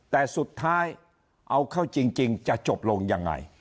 แต่สุดท้ายเอาเข้าจริงจะจบลงยังไง